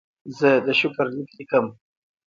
زه د شکر لیک لیکم.